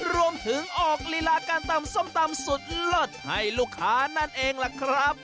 รวมถึงออกลีลาการตำส้มตำสุดเลิศให้ลูกค้านั่นเองล่ะครับ